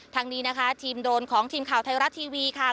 ทางนี้นะคะทีมโดรนของทีมข่าวไทยรัฐทีวีค่ะ